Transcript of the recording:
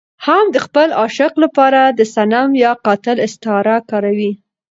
هم د خپل عاشق لپاره د صنم يا قاتل استعاره کاروي.